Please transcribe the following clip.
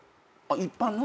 一般の？